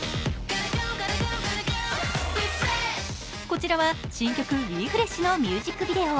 こちらは新曲「ＷｅＦｒｅｓｈ」のミュージックビデオ。